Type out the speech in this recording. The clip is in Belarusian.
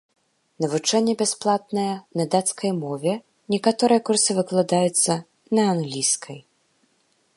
Навучанне бясплатнае, на дацкай мове, некаторыя курсы выкладаюцца на англійскай.